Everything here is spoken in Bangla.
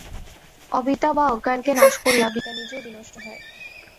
অবিদ্যা বা অজ্ঞানকে নাশ করিয়া বিদ্যা নিজেও বিনষ্ট হয়।